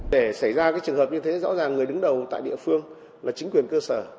để xảy ra trường hợp như thế rõ ràng người đứng đầu tại địa phương là chính quyền cơ sở